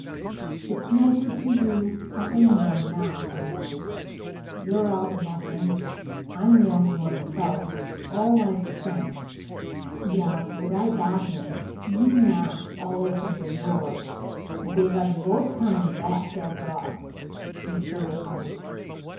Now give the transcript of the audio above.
"It's no good to you or any one now, you know. You're out nothing. I'm the only one that's out all I've spent " "Yas, bot I got heem. You not all ofer de vorl. Dey vas bot' coom back, dot's all," and so they parted.